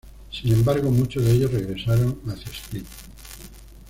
Sin embargo, muchos de ellos regresaron hacia Split.